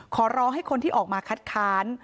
ขอร้องให้คนที่ออกมาคัดค้าน